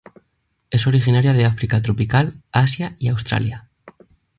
Es originaria de África tropical, Asia y Australia.